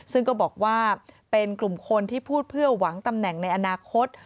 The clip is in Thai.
ซึ่งก็บอกว่าเป็นกลุ่มคนที่พูดเพื่อหวังตำแหน่งในอนาคต